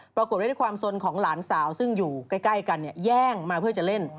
ปรากฏว่าด้วยความสนของหลานสาวซึ่งอยู่ใกล้กันแย่งมาเพื่อจะเล่น